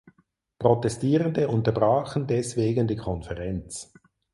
Protestierende unterbrachen deswegen die Konferenz.